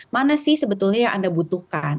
mana sih sebetulnya yang anda butuhkan